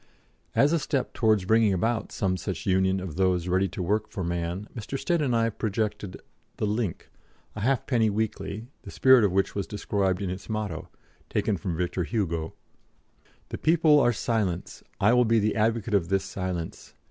As a step towards bringing about some such union of those ready to work for man, Mr. Stead and I projected the Link, a halfpenny weekly, the spirit of which was described in its motto, taken from Victor Hugo: "The people are silence. I will be the advocate of this silence.